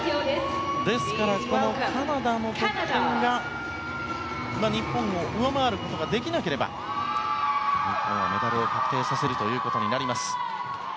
ですから、このカナダの得点が日本を上回ることができなければ日本はメダルを確定することになります。